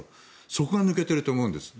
そこが抜けていると思うんです。